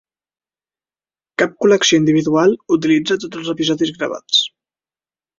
Cap col·lecció individual utilitza tots els episodis gravats.